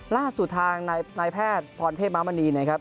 ล่าสุดทางนายแพทย์พรณเทพมามณี